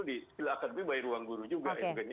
di skill academy bayi ruang guru juga